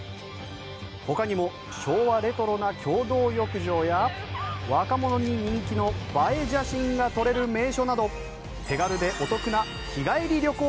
ほかにも昭和レトロな共同浴場や若者に人気の映え写真が撮れる名所など手軽でお得な日帰り旅行